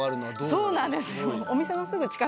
そうなんですよ。